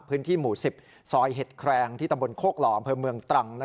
พื้นที่หมู่๑๐ซอยเห็ดแครงที่ตำบลโคกหล่ออำเภอเมืองตรัง